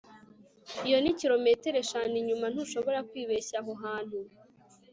Iyo ni kilometero eshanu inyuma Ntushobora kwibeshya aho hantu